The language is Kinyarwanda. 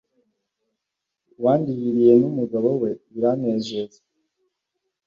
uwandihiriye n‘umugabo we biranezeza